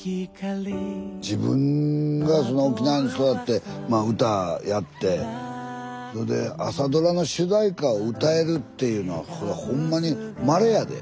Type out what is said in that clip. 自分が沖縄に育って歌やってそれで朝ドラの主題歌を歌えるっていうのはこれほんまにまれやで。